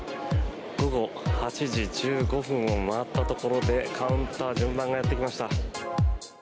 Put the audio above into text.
午後８時１５分を回ったところで順番が回ってきました。